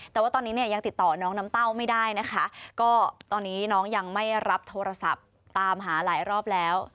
แต่ว่าตอนนี้เนี่ยยังติดต่อน้องน้ำเต้าไม่ได้นะคะก็ตอนนี้น้องยังไม่รับโทรศัพท์ตามหาหลายรอบแล้ว